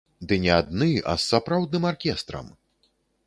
Ды не адны, а з сапраўдным аркестрам!